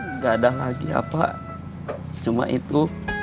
nggak ada lagi apa cuma itu